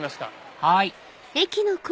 はい